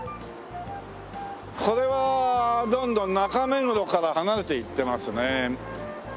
これはどんどん中目黒から離れていってますね。